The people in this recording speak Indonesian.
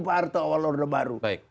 pak harto awal order baru